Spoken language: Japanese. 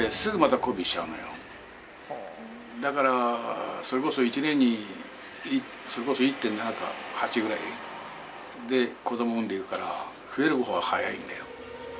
だからそれこそ１年に１．７か１．８ぐらいで子どもを産んでいくから増える方が早いんだよ。